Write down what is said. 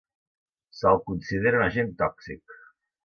Se'l considera un agent tòxic.